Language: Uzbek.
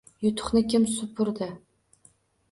Yutuqni kim supurdi?